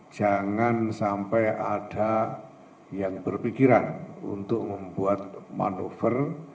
jangan sampai ada yang berpikiran untuk membuat manuver